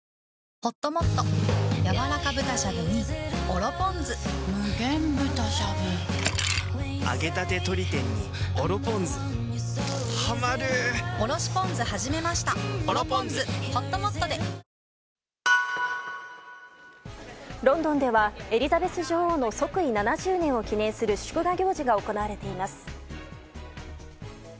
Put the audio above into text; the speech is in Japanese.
この塗料が飛距離やスピンにロンドンではエリザベス女王の即位７０年を記念する祝賀行事が行われています。